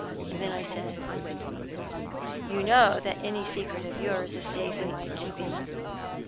And then I said, 'You know that any secret of yours is safe in my keeping.